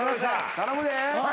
頼むで。